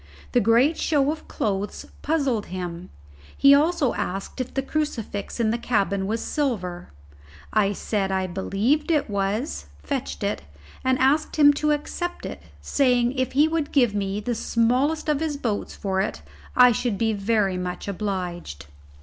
The great show of clothes puzzled him. He also asked if the crucifix in the cabin was silver. I said I believed it was, fetched it, and asked him to accept it, saying if he would give me the smallest of his boats for it I should be very much obliged.